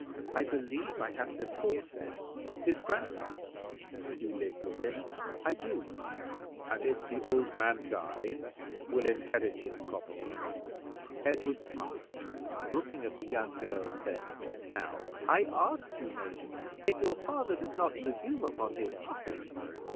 "I believe I have said before, his grandson." "You live with him?" "I do." "And if the old man dies, will inherit his property?" Edward smiled, and looking at the young girl, said: "Now, I ask you, maiden, if your father does not presume upon his office."